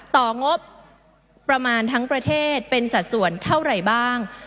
งบประมาณทั้งประเทศเป็นสัดส่วนเท่าไหร่บ้าง